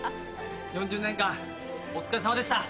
４０年間お疲れさまでした！